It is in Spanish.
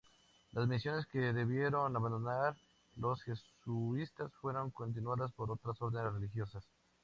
Las misiones que debieron abandonar los jesuitas fueron continuadas por otras órdenes religiosas.